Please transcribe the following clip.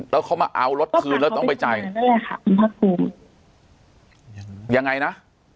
แล้วเขามาเอารถคืนแล้วต้องไปจ่ายนั่นแหละค่ะคุณภาคภูมิยังไงนะ